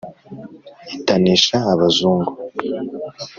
Itanisha Abazungu